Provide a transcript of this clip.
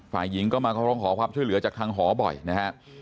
ฝ่ายหญิงก็มาร้องหอพักช่วยเหลือจากทางหอบ่อยนะครับ